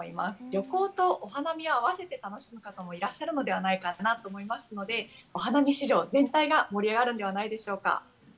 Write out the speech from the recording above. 旅行とお花見を合わせて楽しむ方もいらっしゃるのではないかなと思いますので、お花見市場全体が盛り上がるんではないでしょうか。